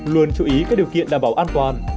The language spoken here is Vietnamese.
luôn chú ý các điều kiện đảm bảo an toàn